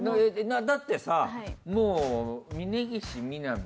だってさもう峯岸みなみ。